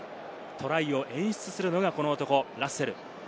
トライを演出するのがこの男、ラッセル。